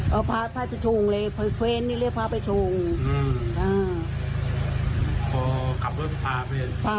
มีรถมารับทันหนึ่งรถเก๋งผู้หญิง๒คนจังหวาน